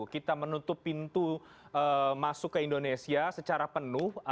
kita menutup pintu masuk ke indonesia secara penuh